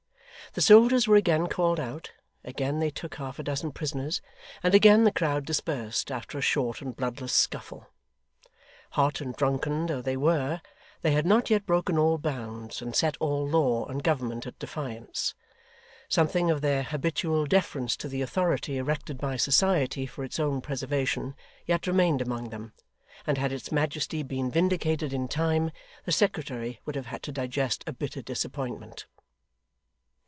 The soldiers were again called out, again they took half a dozen prisoners, and again the crowd dispersed after a short and bloodless scuffle. Hot and drunken though they were, they had not yet broken all bounds and set all law and government at defiance. Something of their habitual deference to the authority erected by society for its own preservation yet remained among them, and had its majesty been vindicated in time, the secretary would have had to digest a bitter disappointment.